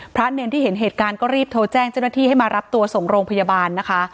เนรที่เห็นเหตุการณ์ก็รีบโทรแจ้งเจ้าหน้าที่ให้มารับตัวส่งโรงพยาบาลนะคะ